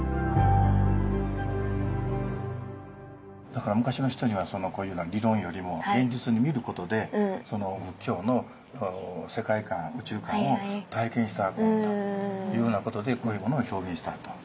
だから昔の人にはこういうふうな理論よりも現実に見ることで仏教の世界観・宇宙観を体験したというふうなことでこういうものを表現したと。